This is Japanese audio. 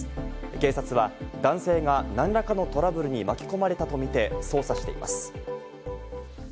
警察は男性が何らかのトラブルに巻き込まれたとみて捜査しています。